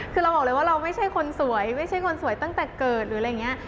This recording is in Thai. คือเราบอกเลยว่าเราไม่ใช่คนสวยไม่ใช่คนสวยตั้งแต่เกิดหรืออะไรอย่างนี้